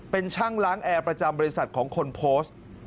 เป็นช่างล้างแอร์ประจำบริษัทของคนโพสต์